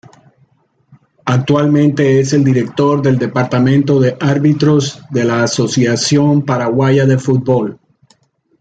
Actualmente es el Director del Departamento de Árbitros de la Asociación Paraguaya de Fútbol.